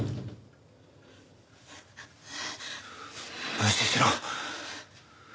無視しろ。